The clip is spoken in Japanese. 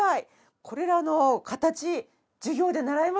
これらの形授業で習いましたね。